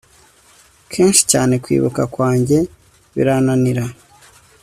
kenshi cyane kwibuka kwanjye birananirana